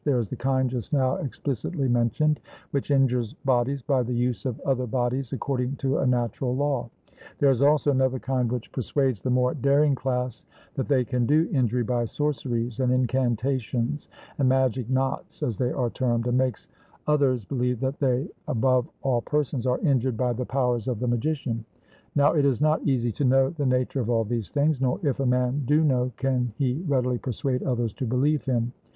There is the kind just now explicitly mentioned, which injures bodies by the use of other bodies according to a natural law; there is also another kind which persuades the more daring class that they can do injury by sorceries, and incantations, and magic knots, as they are termed, and makes others believe that they above all persons are injured by the powers of the magician. Now it is not easy to know the nature of all these things; nor if a man do know can he readily persuade others to believe him.